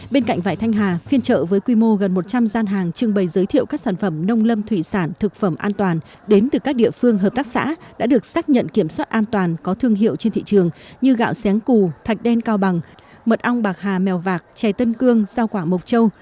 bên cạnh vải thanh hà phiên trợ với quy mô gần một trăm linh gian hàng trưng bày giới thiệu các sản phẩm nông lâm thủy sản thực phẩm an toàn đến từ các địa phương hợp tác xã đã được xác nhận kiểm soát an toàn có thương hiệu trên thị trường như gạo xén cù thạch đen cao bằng mật ong bạc hà mèo vạc chè tân cương rau quả mộc châu